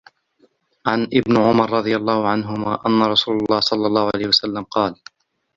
عن ابنِ عُمَرَ رَضِي اللهُ عَنْهُما أنَّ رسولَ اللهِ صَلَّى اللهُ عَلَيْهِ وَسَلَّمَ قالَ: